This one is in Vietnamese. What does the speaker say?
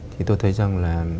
thì tôi thấy rằng là